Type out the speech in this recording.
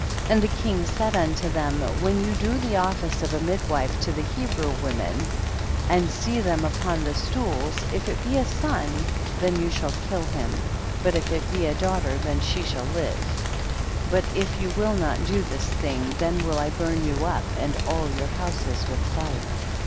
25. And the king said mito them, when you do the olHce of a midwife to the Hebrew women, and see them upon the stools, if it be a son, then you shall kill him, but if it be a daughter, then she shall live. 26. But if you will not do this thing, then will I burn you up and all your houses with fire.